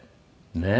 ねえ。